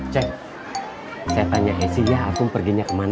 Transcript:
ceng saya tanya heisy ya aku perginya kemana